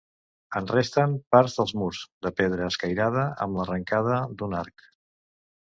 En resten parts dels murs -de pedra escairada-, amb l'arrancada d'un arc.